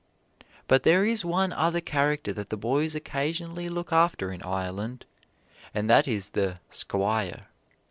But there is one other character that the boys occasionally look after in Ireland, and that is the "Squire."